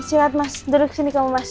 eh silat mas duduk di sini kamu mas